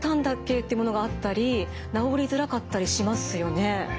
ってものがあったり治りづらかったりしますよね。